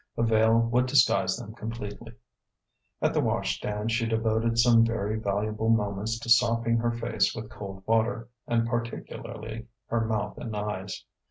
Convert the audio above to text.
A veil would disguise them completely. At the wash stand she devoted some very valuable moments to sopping her face with cold water, and particularly her mouth and eyes.